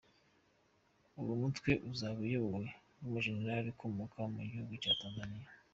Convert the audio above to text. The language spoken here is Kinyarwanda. Uwo mutwe uzaba uyobowe n’umujenerali ukomoka mu gihugu cya Tanzaniya.